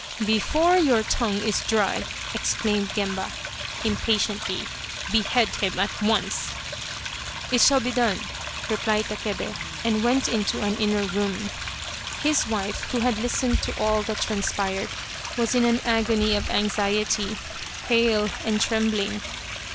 " Before your tongue is dry," exclaimed Gemba, impatiently, " behead him at once !"" It shall be done !" replied Takebe, and went into an inner room. His wife, who had listened to all that transpired, was in an agony of anxiety, pale and trembling.